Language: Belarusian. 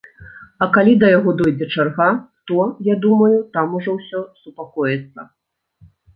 А калі да яго дойдзе чарга, то, я думаю, там ужо ўсё супакоіцца.